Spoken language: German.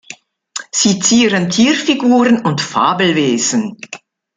Sie zieren Tierfiguren und Fabelwesen.